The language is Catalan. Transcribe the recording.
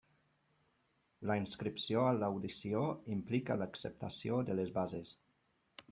La inscripció a l'audició implica l'acceptació de les bases.